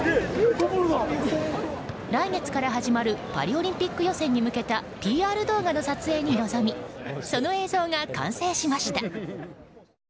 来月から始まるパリオリンピック予選に向けたＰＲ動画の撮影に臨みその映像が完成しました。